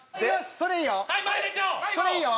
それいいよ！